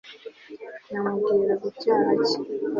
namubwira icyaha cye